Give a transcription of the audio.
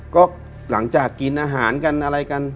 ก็หลังจากกินอาหารกันอะไรกัน